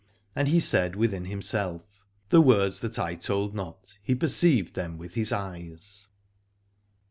And he said within himself, The words that I told not, he perceived them with his eyes.